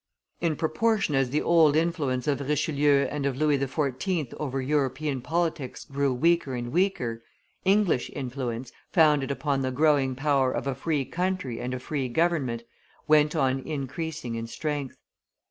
In proportion as the old influence of Richelieu and of Louis XIV. over European politics grew weaker and weaker, English influence, founded upon the growing power of a free country and a free government, went on increasing in strength.